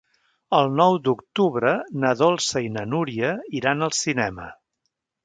El nou d'octubre na Dolça i na Núria iran al cinema.